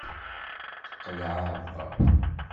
Tqelɛeḍ.